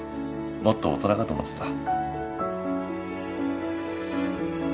もっと大人かと思ってた。